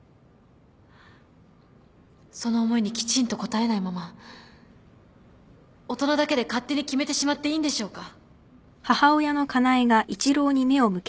その思いにきちんと応えないまま大人だけで勝手に決めてしまっていいんでしょうか？